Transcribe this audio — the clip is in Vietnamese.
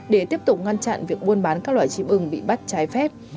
để tiếp tục ngăn chặn việc buôn bán các loài chim ưng bị bắt trái phép